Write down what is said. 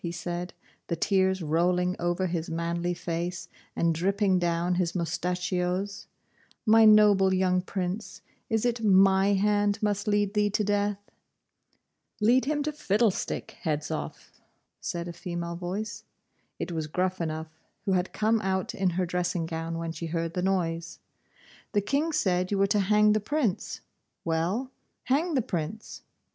he said, the tears rolling over his manly face, and dripping down his moustachios; 'my noble young Prince, is it my hand must lead thee to death?' 'Lead him to fiddlestick, Hedzoff,' said a female voice. It was Gruffanuff, who had come out in her dressing gown when she heard the noise. 'The King said you were to hang the Prince. Well, hang the Prince.